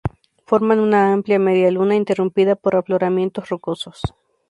Forman una amplia media luna, interrumpida por afloramientos rocosos.